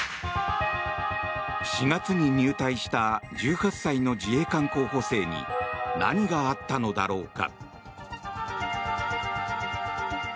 ４月に入隊した１８歳の自衛官候補生に何があったのだろうか。